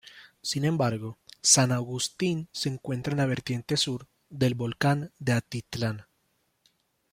Sin embargo, San Augustín se encuentra en la vertiente sur del Volcán de Atitlán.